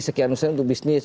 sekian persen untuk bisnis